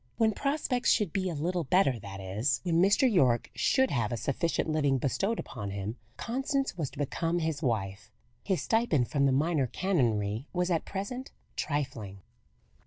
When prospects should be a little better that is, when Mr. Yorke should have a sufficient living bestowed upon him Constance was to become his wife. His stipend from the minor canonry was at present trifling.